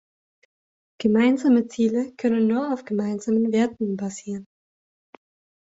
Gemeinsame Ziele können nur auf gemeinsamen Werten basieren.